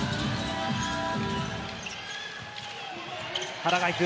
原が行く。